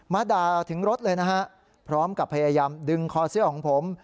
ด่าถึงรถเลยนะฮะพร้อมกับพยายามดึงคอเสื้อของผม